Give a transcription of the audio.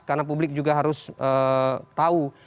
karena publik juga harus tahu